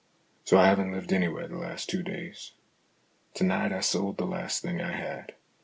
So I haven't lived anywhere the last two days. To night I sold the last thing I had.